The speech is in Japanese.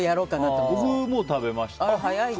僕もう食べました。